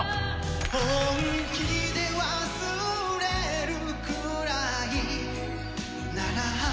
本気で忘れるくらいなら